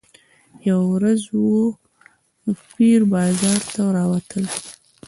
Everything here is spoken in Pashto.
یوه ورځ وو پیر بازار ته راوتلی